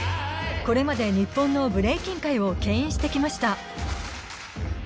これまで、日本のブレイキン界をけん引してきました。